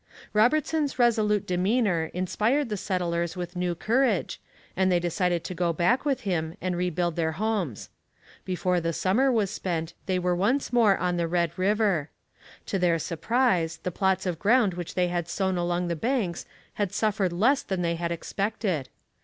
Robertson's resolute demeanour inspired the settlers with new courage, and they decided to go back with him and rebuild their homes. Before the summer was spent they were once more on the Red River. To their surprise the plots of ground which they had sown along the banks had suffered less than they had expected.